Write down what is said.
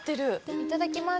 いただきます！